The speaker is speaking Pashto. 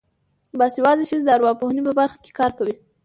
باسواده ښځې د ارواپوهنې په برخه کې کار کوي.